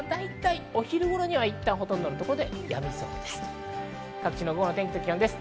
お昼頃にはいったん、ほとんどの所でやみそうです。